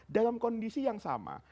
dalam kondisi yang sama